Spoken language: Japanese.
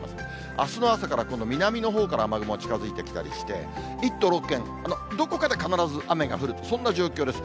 あすの朝から今度、南のほうから雨雲が近づいてきたりして、１都６県、どこかで必ず雨が降る、そんな状況です。